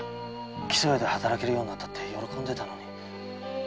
木曽屋で働けるようになったって喜んでいたのに。